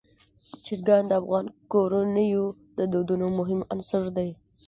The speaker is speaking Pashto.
چرګان د افغان کورنیو د دودونو مهم عنصر دی.